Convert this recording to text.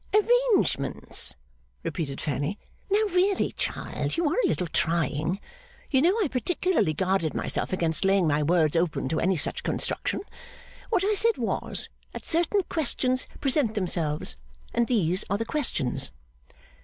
'Arrangements!' repeated Fanny. 'Now, really, child, you are a little trying. You know I particularly guarded myself against laying my words open to any such construction. What I said was, that certain questions present themselves; and these are the questions.